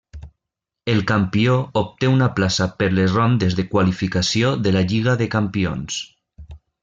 El campió obté una plaça per les rondes de qualificació de la Lliga de Campions.